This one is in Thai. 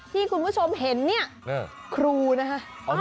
ที่คุณผู้ชมเห็นเนี่ยครูนะคะ